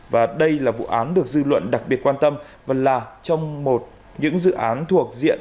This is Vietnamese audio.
và đây là vụ án được dư luận đặc biệt quan tâm và là trong một dự án thuộc diện